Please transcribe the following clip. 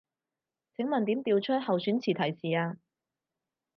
請問點調出候選詞提示啊